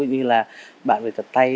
như là bạn về tập tay